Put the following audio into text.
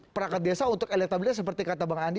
perangkat desa untuk elektabilitas seperti kata bang andi